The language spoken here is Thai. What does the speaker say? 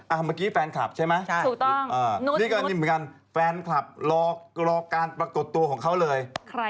เมื่อกี้แฟนคลับใช่ไหมนี่ก็นี่เหมือนกันแฟนคลับรอการปรากฏตัวของเขาเลย